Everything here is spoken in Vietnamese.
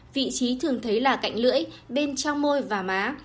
vị trí thường thấy là cạnh lưỡi bên trong môi và má